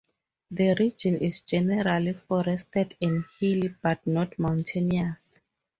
The region is generally forested and hilly, but not mountainous.